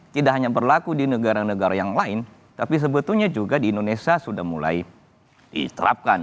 tidak hanya berlaku di negara negara yang lain tapi sebetulnya juga di indonesia sudah mulai diterapkan